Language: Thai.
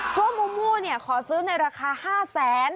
โทมูนเนี่ยขอซื้อในราคา๕แสน